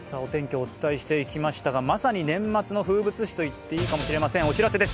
お伝えしていましたが、まさに年末の風物詩といっていいかもしれませんお知らせです。